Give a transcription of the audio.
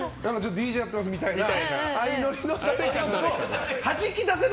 ＤＪやってますみたいな。